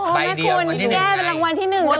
ไปเรียนรางวัลที่๑ไง